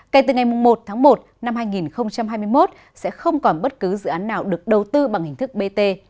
kể từ ngày một tháng một năm hai nghìn hai mươi một sẽ không còn bất cứ dự án nào được đầu tư bằng hình thức bt